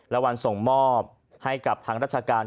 และวันส่งมอบให้กับทางราชการ